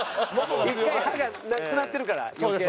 １回歯がなくなってるから余計ね。